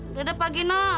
udah deh pak gino